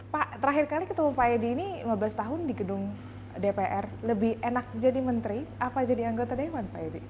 pak terakhir kali ketemu pak edi ini lima belas tahun di gedung dpr lebih enak jadi menteri apa jadi anggota dewan pak edi